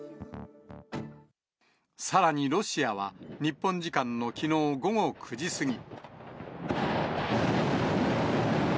さらにロシアは日本時間のきのう午後９時過ぎ。